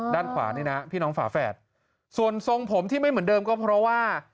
ด้านขวานี่นะพี่น้องฝาแฝดส่วนทรงผมที่ไม่เหมือนเดิมก็เพราะว่า